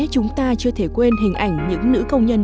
chúng ta chưa thể quên hình ảnh những nữ công nhân